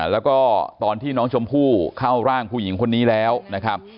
แล้วก็ตอนที่น้องชมพู่เข้าร่างผู้หญิงคนนี้แล้วนะครับ